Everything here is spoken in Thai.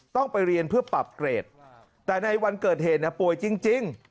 ต้องไปเรียนเพื่อปรับเกรดแต่ในวันเกิดเหตุป่วยจริง